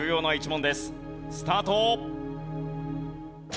スタート！